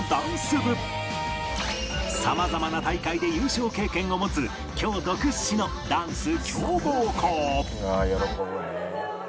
様々な大会で優勝経験を持つ京都屈指のダンス強豪校